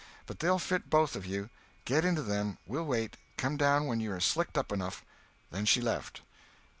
But they'll fit both of you. Get into them. We'll wait—come down when you are slicked up enough." Then she left.